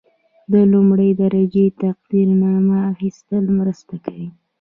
د لومړۍ درجې تقدیرنامې اخیستل مرسته کوي.